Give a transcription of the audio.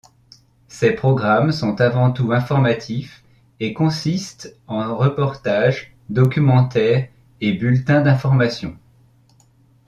Ses programmes sont avant tout informatifs et consistent en reportages, documentaires et bulletins d'informations.